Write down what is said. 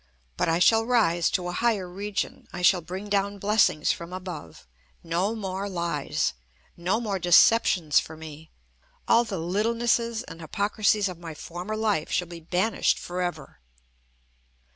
But I shall rise to a higher region. I shall bring down blessings from above. No more lies! No more deceptions for me! All the littlenesses and hypocrisies of my former life shall be banished for ever!"